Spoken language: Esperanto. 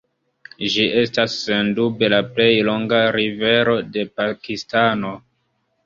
Ĝi estas sendube la plej longa rivero de Pakistano.